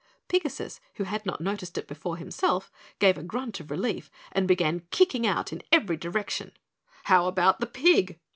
Pigasus, who had not noticed it before himself, gave a grunt of relief and began kicking out in every direction. "How about the pig?"